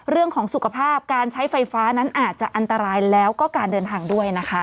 เรื่องของสุขภาพการใช้ไฟฟ้านั้นอาจจะอันตรายแล้วก็การเดินทางด้วยนะคะ